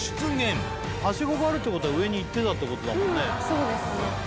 そうですね。